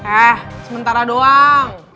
eh sementara doang